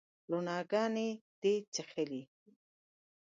روڼاګاني دي چیښلې